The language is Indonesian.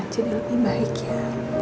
jadi lebih baik ya